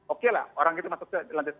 oke lah orang itu masuk ke lantai sepuluh